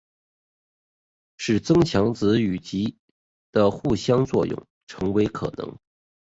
使增强子与及的相互作用成为可能。